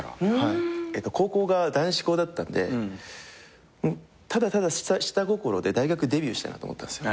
高校が男子校だったんでただただ下心で大学デビューしたいなと思ったんすよ。